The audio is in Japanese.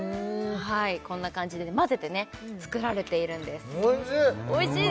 こんな感じで混ぜて作られているんですおいしい！